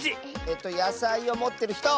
えっとやさいをもってるひと！